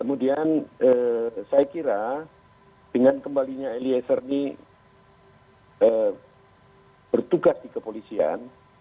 kemudian saya kira dengan kembalinya eliezer ini bertugas di kepolisian